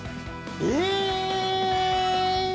え‼